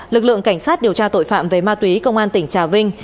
lực lượng cảnh sát điều tra tội phạm về ma túy công an tỉnh trà vinh